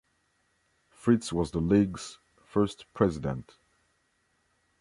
Fritz was the league's first President.